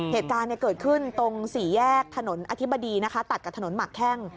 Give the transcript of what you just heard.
เหตุการณ์เกิดขึ้นตรงสี่แยกถนนอธิบดีนะคะตัดกับถนนหมักแข้ง